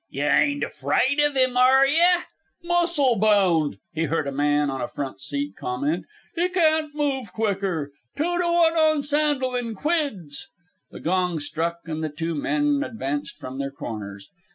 "Yeh ain't afraid of 'im, are yeh?" "Muscle bound," he heard a man on a front seat comment. "He can't move quicker. Two to one on Sandel, in quids." The gong struck and the two men advanced from their corners.